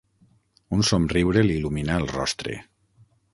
Un somriure li il·luminà el rostre.